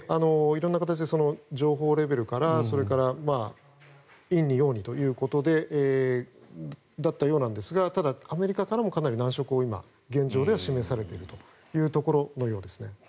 色んな形で情報レベルからそれから、陰に陽にということだったようなんですがただ、アメリカからもかなり難色を今、現状では示されているというところのようです。